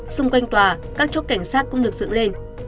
xung quanh tòa các chốt cảnh sát cũng được dựng lên